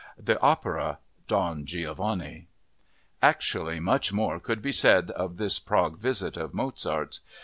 the opera—Don Giovanni. Actually, much more could be said of this Prague visit of Mozart's.